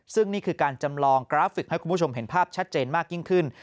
ซึ่งนี่คือการจำลองกราฟิกให้คุณผู้ชมเห็นภาพชัดเจนมากยิ่งขึ้น